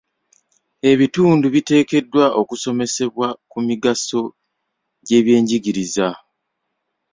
Ebitundu biteekeddwa okusomesebwa ku migaso gy'ebyenjigiriza.